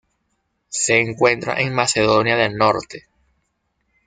Se encuentra en Macedonia del Norte.